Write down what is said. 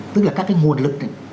tức là các cái nguồn lực đấy